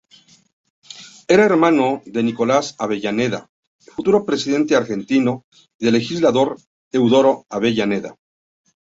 Era hermano de Nicolás Avellaneda, futuro presidente argentino, y del legislador Eudoro Avellaneda.